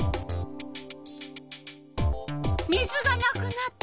水がなくなった。